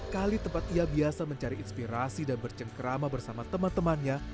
kali tempat ia biasa mencari inspirasi dan bercengkrama bersama teman temannya